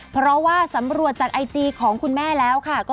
เพราะว่าสำรวจจากไอจีของคุณแม่แล้วค่ะ